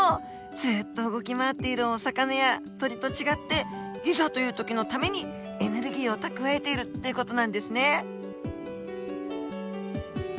ずっと動き回っているお魚や鳥と違っていざという時のためにエネルギーを蓄えているという事なんですね。